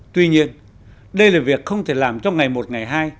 tuy nhiên đây là việc không thể làm trong ngày một ngày hai